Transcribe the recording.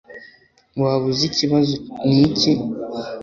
waba uzi ikibazo niki